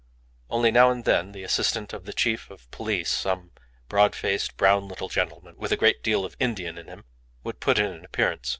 Only now and then the assistant of the chief of police, some broad faced, brown little gentleman, with a great deal of Indian in him, would put in an appearance.